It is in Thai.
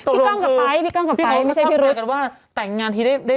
พี่ก้องกับไอ้ไป๊ต์พี่ก้องกับไอ้ไป๊ต์ไม่ใช่พี่รุ๊ด